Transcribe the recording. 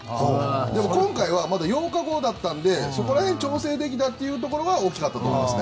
でも今回はまだ８日後だったのでそこら辺調整できたところは大きかったと思いますね。